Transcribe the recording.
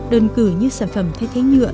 đơn cử như sản phẩm thay thế nhựa